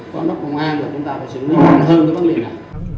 con đốc công an là chúng ta phải xử lý nặng hơn cái vấn đề này